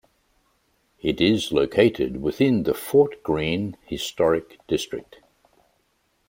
It is located within the Fort Greene Historic District.